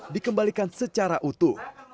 dikembalikan secara utuh